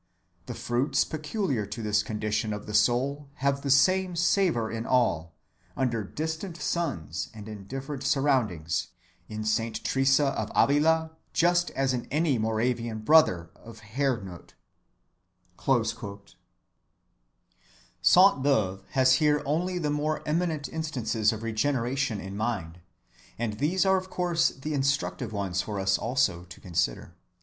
The fruits peculiar to this condition of the soul have the same savor in all, under distant suns and in different surroundings, in Saint Teresa of Avila just as in any Moravian brother of Herrnhut."(142) Sainte‐Beuve has here only the more eminent instances of regeneration in mind, and these are of course the instructive ones for us also to consider.